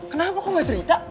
kenapa kok gak cerita